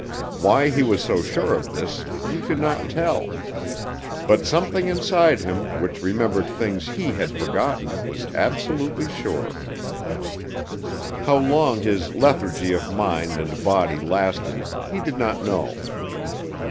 Why he was so sure of this, he could not tell. But something inside him, which remembered things he had forgotten, was absolutely sure. How long his lethargy of mind and body lasted, he did not know.